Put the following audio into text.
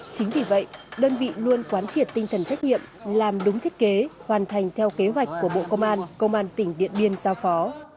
chính vì vậy đơn vị luôn quán triệt tinh thần trách nhiệm làm đúng thiết kế hoàn thành theo kế hoạch của bộ công an công an tỉnh điện biên giao phó